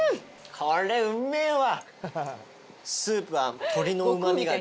これうめえわ！